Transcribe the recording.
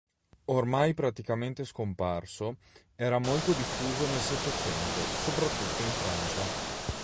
Ormai praticamente scomparso, era molto diffuso nel Settecento, soprattutto in Francia.